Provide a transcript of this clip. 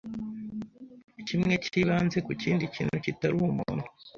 kimwe cyibanze ku kindi kintu kitari umuntu